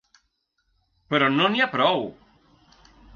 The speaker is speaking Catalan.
Però no n’hi ha prou!